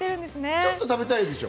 ちょっと食べたいでしょ？